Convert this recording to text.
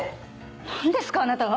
何ですかあなたは。